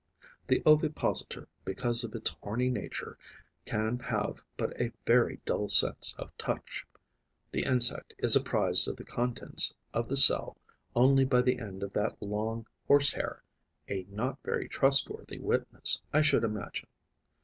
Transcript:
The ovipositor, because of its horny nature, can have but a very dull sense of touch. The insect is apprised of the contents of the cell only by the end of that long horse hair, a not very trustworthy witness, I should imagine.